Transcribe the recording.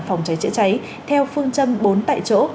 phòng cháy chữa cháy theo phương châm bốn tại chỗ